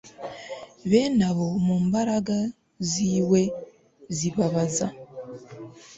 Bene abo mu mbaraga ziwe zibabaza